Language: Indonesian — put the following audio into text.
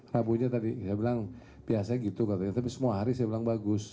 rabunya tadi saya bilang biasanya gitu katanya tapi semua hari saya bilang bagus